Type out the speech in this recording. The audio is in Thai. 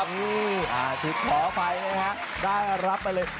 นี่ทิศพอไปนะครับได้รับไปเลย